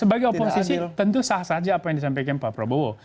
sebagai oposisi tentu sah saja apa yang disampaikan pak prabowo